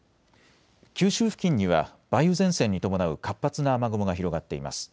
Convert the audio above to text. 九州付近には梅雨前線に伴う活発な雨雲が広がっています。